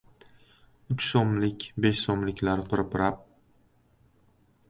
Uch so‘mlik, besh so‘mliklar pirpirab